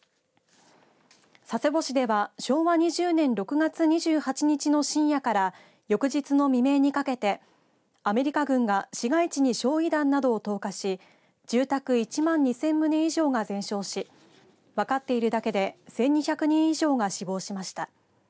佐世保市では昭和２０年６月２８日の深夜から翌日の未明にかけてアメリカ軍が市街地に焼い弾などを投下し住宅１万２０００棟以上が全焼し分かっているだけで１２００人以上が死亡しました。